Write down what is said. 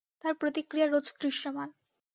তার প্রতিক্রিয়া রোজ দৃশ্যমান।